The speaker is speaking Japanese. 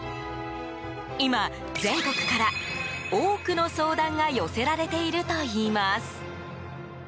今、全国から多くの相談が寄せられているといいます。